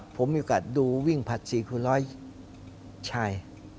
ผมมีโอกาสดูวิ่งผลัด๔๐๐ชาย